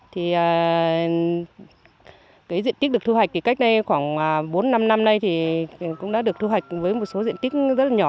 thì cái diện tích được thu hoạch thì cách đây khoảng bốn năm năm nay thì cũng đã được thu hoạch với một số diện tích rất là nhỏ